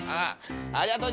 ありがとう。